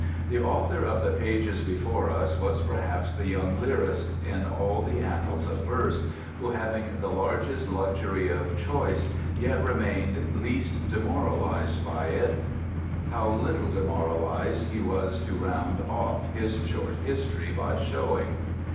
The author of the pages before us was perhaps the young lyrist, in all the annals of verse, who, having the largest luxury of choice, yet remained least "demoralised" by it how little demoralised he was to round off his short history by showing.